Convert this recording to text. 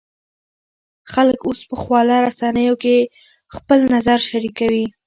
خلک اوس په خواله رسنیو کې خپل نظر شریکوي.